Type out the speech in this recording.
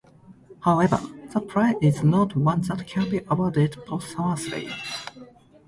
However, the prize is not one that can be awarded posthumously.